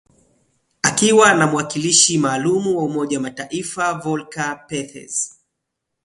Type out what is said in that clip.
akiwa na mwakilishi maalum wa umoja wa mataifa Volker Perthes